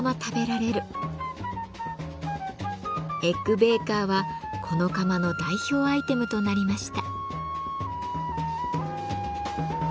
エッグ・ベーカーはこの窯の代表アイテムとなりました。